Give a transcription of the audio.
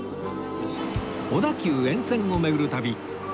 小田急沿線を巡る旅